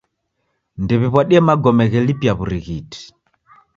Ndew'iw'adie magome ghelipia w'urighiti.